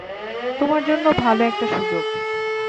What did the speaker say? তোমার জন্য ভালো একটা সুযোগ।